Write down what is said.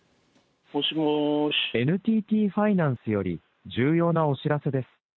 ＮＴＴファイナンスより重要なお知らせです。